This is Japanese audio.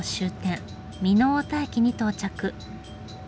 美濃太田駅に到着。